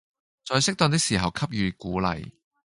在適當的時候給予鼓勵